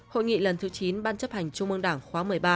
hội nghị lần thứ chín ban chấp hành trung ương đảng khóa một mươi ba